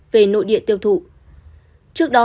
về nội địa tiêu thụ trước đó